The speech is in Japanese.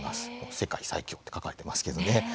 世界最強って書かれていますけど。